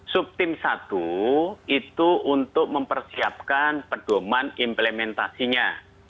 subtim satu itu untuk mempersiapkan pedoman implementasinya